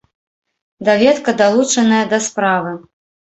Даведка далучаная да справы.